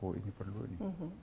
oh ini perlu nih